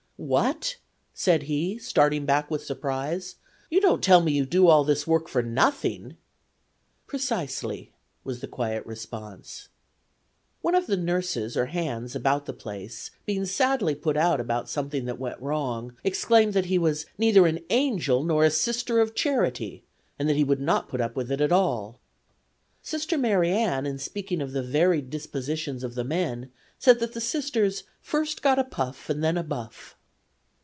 "What!" said he, starting back with surprise; "you don't tell me you do all this work for nothing?" "Precisely," was the quiet response. One of the nurses or hands about the place being sadly put out about something that went wrong exclaimed that he was "neither an angel nor a Sister of Charity," and that he would not put up with it at all. Sister Mary Ann, in speaking of the varied dispositions of the men, said that the Sisters "first got a puff and then a buff."